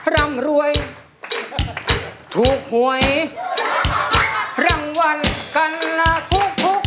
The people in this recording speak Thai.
ร่ำรวยถูกหวยรางวัลกันละทุก